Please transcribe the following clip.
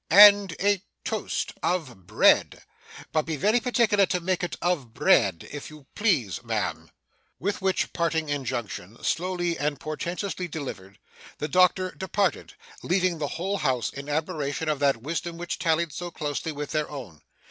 'And a toast of bread. But be very particular to make it of bread, if you please, ma'am.' With which parting injunction, slowly and portentously delivered, the doctor departed, leaving the whole house in admiration of that wisdom which tallied so closely with their own.